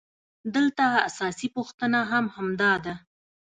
دلته اساسي پوښتنه هم همدا ده